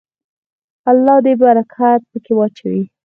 الله دې برکت پکې واچوي.